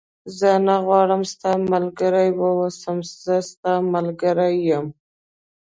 زه نه غواړم ستا ملګری و اوسم، زه ستا ملګری یم.